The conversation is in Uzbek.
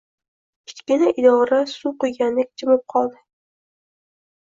Kichkina idora suv quygandek jimib qoldi